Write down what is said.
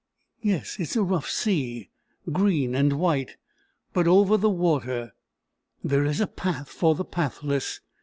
Yes; it is a rough sea green and white. But over the water. There is a path for the pathless.